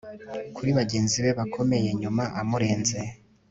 Kuri bagenzi be bakomeye yumva amurenze